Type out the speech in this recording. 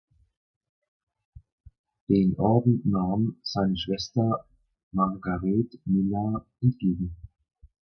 Den Orden nahm seine Schwester Margaret Millar entgegen.